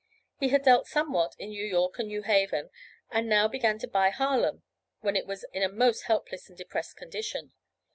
He had dealt somewhat in New York and New Haven, and now began to buy Harlem when it was in a most helpless and depressed condition.